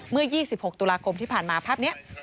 เมื่อ๒๖ตุลาคมที่ผ่านมาภาพนี้